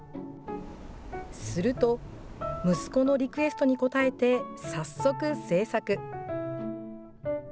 すると、息子のリクエストに応えて、早速、制作。